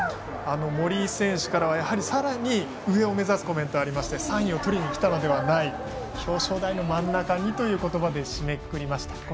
森井選手からはさらに上を目指すコメントがありまして、３位をとりにきたのではない表彰台の真ん中にという言葉で締めくくりました。